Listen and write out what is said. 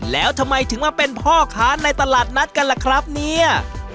แล้วทำไมถึงมาเป็นพ่อค้าในตลาดนัดกันล่ะครับเนี่ย